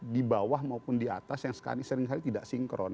di bawah maupun di atas yang seringkali tidak sinkron